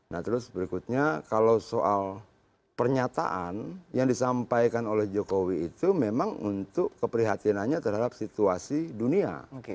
nah terus berikutnya kalau soal pernyataan yang disampaikan oleh jokowi itu memang untuk keprihatinannya terhadap situasi dunia